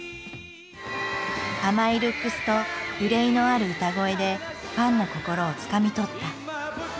甘いルックスと愁いのある歌声でファンの心をつかみ取った。